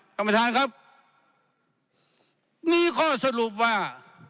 กรรมฐานครับนี่ข้อสรุปว่า